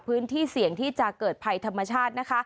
พื้นที่เสี่ยงที่จะเกิดภัยธรรมชาตินะคะ